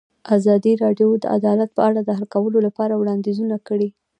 ازادي راډیو د عدالت په اړه د حل کولو لپاره وړاندیزونه کړي.